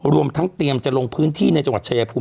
รวมทั้งเตรียมจะลงพื้นที่ในจังหวัดชายภูมิ